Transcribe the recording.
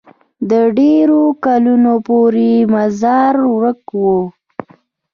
د ډېرو کلونو پورې یې مزار ورک وو.